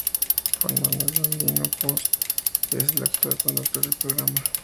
Juan Manuel "Bambino" Pons es el actual conductor del programa.